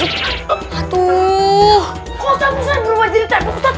bukan jadi tepuk gimana